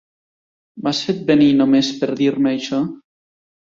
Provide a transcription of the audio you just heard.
M'has fet venir només per dir-me això?